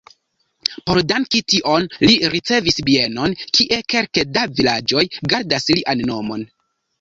Por danki tion li ricevis bienon, kie kelke da vilaĝoj gardas lian nomon.